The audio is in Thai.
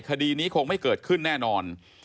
คดีนี้คงไม่เกิดขึ้นแน่นอน